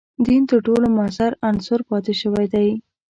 دین تر ټولو موثر عنصر پاتې شوی دی.